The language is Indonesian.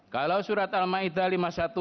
kalau surat al ma'idah lima puluh satu